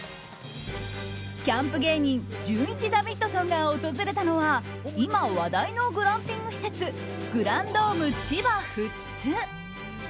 キャンプ芸人じゅんいちダビッドソンが訪れたのは今、話題のグランピング施設グランドーム千葉富津。